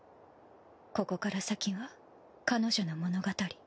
ここから先は彼女の物語。